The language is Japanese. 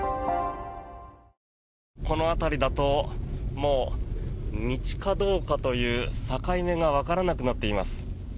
この辺りだともう道かどうかという境目がわからなくなっています。